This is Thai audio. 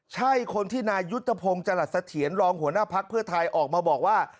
ใช่คนที่นายุทธพงศ์จรัสเถียรรองหัวหน้าภักดิ์เพื่อไทยออกมาบอกว่า